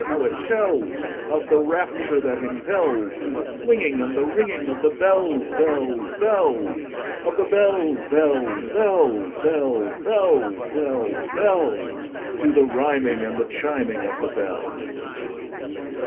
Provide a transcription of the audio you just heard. how it tellsOf the rapture that impelsTo the swinging and the ringingOf the bells, bells, bells, Of the bells, bells, bells, bells, Bells, bells, bells—To the rhyming and the chiming of the bells!